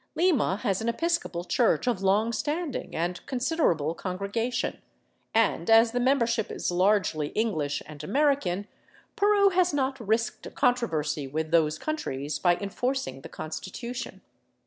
Lima has an Episcopal church of long standing and considerable congrega tion, and as the membership is largely English and American, Peru has not risked a controversy with those countries by enforcing the constitution.